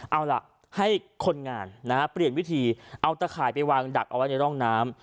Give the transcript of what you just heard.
เอาล่ะให้คนงานนะฮะเปลี่ยนวิธีเอาตะข่ายไปวางดักเอาไว้ในร่องน้ำ